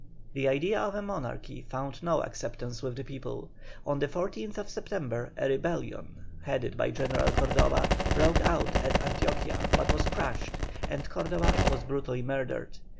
The idea of a monarchy found no acceptance with the people. On the 14th September a rebellion, headed by General Cordoba, broke out at Antioquia, but was crushed, and Cordoba was brutally murdered.